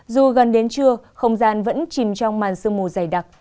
dù gần đến trưa không gian vẫn chìm trong màn sương mù dày đặc